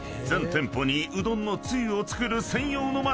全店舗にうどんのつゆを作る専用のマシン